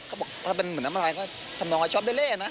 เขาบอกว่าถ้าเป็นเหมือนอะไรก็ทำลองว่าชอบได้เลยนะ